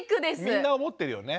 みんな思ってるよね。